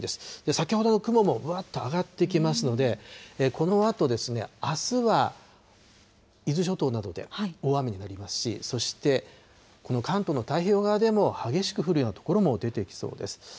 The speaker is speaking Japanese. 先ほどの雲も、わっと上がってきますので、このあと、あすは伊豆諸島などで大雨になりますし、そして、この関東の太平洋側でも激しく降るような所も出てきそうです。